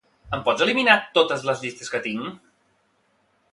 Em pots eliminar totes les llistes que tinc?